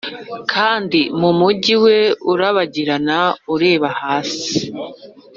kandi mu mujyi we urabagirana ureba hasi,